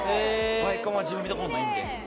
梅花藻は自分見たことないんで。